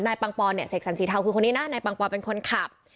ปังปอนเนี่ยเสกสรรสีเทาคือคนนี้นะนายปังปอนเป็นคนขับ